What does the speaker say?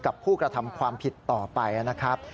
ผู้กระทำความผิดต่อไปนะครับ